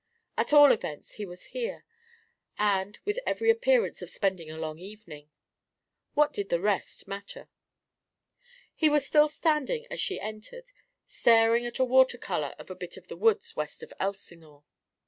At all events, he was here and with every appearance of spending a long evening. What did the rest matter? He was still standing as she entered, staring at a water colour of a bit of the woods west of Elsinore.